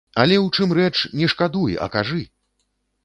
Але ў чым рэч, не шкадуй, а кажы.